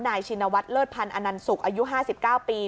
นายชินวัตรเลิศพันธ์อนันสุกอายุห้าสิบเก้าปี